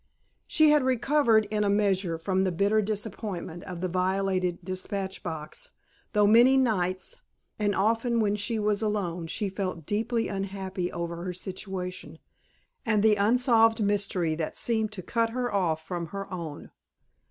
She had recovered in a measure from the bitter disappointment of the violated dispatch box, though many nights, and often when she was alone she felt deeply unhappy over her situation, and the unsolved mystery that seemed to cut her off from her own.